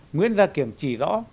nguyễn gia kiểm chỉ rõ